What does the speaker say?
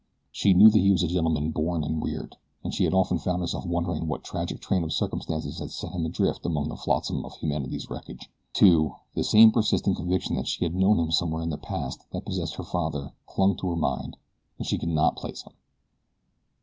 She knew that he was a gentleman born and reared, and she often found herself wondering what tragic train of circumstances had set him adrift among the flotsam of humanity's wreckage. Too, the same persistent conviction that she had known him somewhere in the past that possessed her father clung to her mind; but she could not place him.